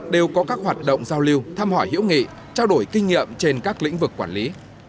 đều có các hoạt động giao lưu thăm hỏi hiểu nghị trao đổi kinh nghiệm trên các lĩnh vực quản lý